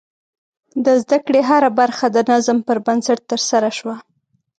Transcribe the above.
د زده کړې هره برخه د نظم پر بنسټ ترسره شوه.